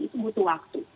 itu butuh waktu